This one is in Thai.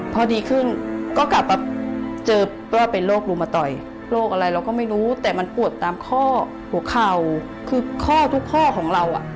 พอดีขึ้นก็กลับมาเจอว่าเป็นโรครุมตอยโรคอะไรเราก็ไม่รู้แต่มันปวดตามข้อหัวเข่าคือข้อทุกข้อของเราอ่ะ